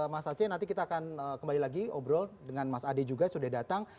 mas aceh nanti kita akan kembali lagi obrol dengan mas ade juga sudah datang